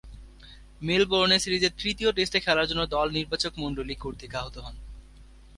মেলবোর্নে সিরিজের তৃতীয় টেস্টে খেলার জন্য দল নির্বাচকমণ্ডলী কর্তৃক আহুত হন।